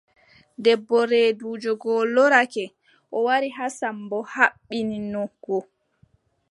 Debbo reeduujo go loorake, o wari haa Sammbo haɓɓino go.